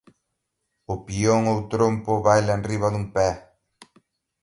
O peón ou trompo baila enriba dun pé.